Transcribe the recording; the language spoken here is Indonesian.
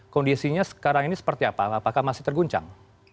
kondisinya sekarang ini seperti apa apakah masih terguncang